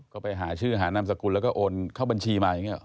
ก็ไปหาชื่อหานามสกุลแล้วก็โอนเข้าบัญชีมาอย่างนี้หรอ